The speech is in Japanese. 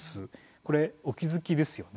これ、お気付きですよね。